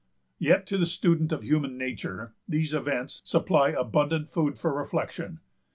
Yet to the student of human nature these events supply abundant food for reflection.